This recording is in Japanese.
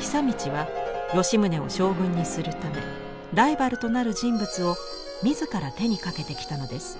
久通は吉宗を将軍にするためライバルとなる人物を自ら手にかけてきたのです。